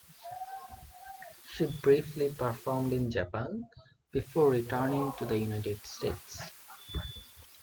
She briefly performed in Japan before returning to the United States.